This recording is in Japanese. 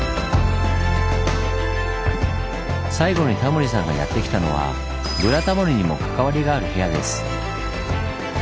最後にタモリさんがやって来たのは「ブラタモリ」にも関わりがある部屋です。